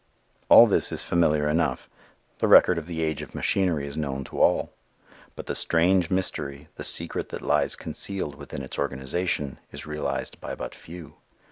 All this is familiar enough. The record of the age of machinery is known to all. But the strange mystery, the secret that lies concealed within its organization, is realized by but few.